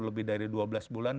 lebih dari dua belas bulan